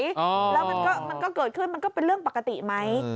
แล้วมันก็เกิดขึ้นมันก็เป็นเรื่องปกติไหม